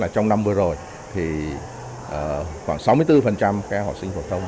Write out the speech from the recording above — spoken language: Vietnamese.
trong năm vừa rồi thì khoảng sáu mươi bốn các học sinh phổ thông